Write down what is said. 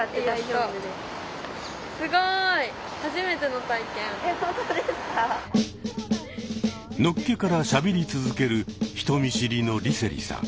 のっけからしゃべり続ける人見知りの梨星さん。